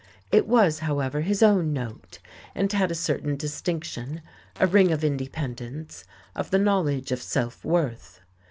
It was, however, his own note, and had a certain distinction, a ring of independence, of the knowledge of self worth.